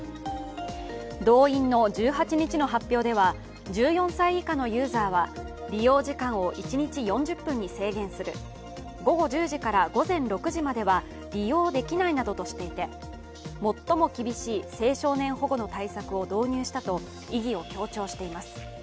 ドウインの１８日の発表では１４歳以下のユーザーは利用時間を一日４０分に制限する午後１０時から午前６時までは利用できないなどとしていて最も厳しい青少年保護の対策を導入したと意義を強調しています。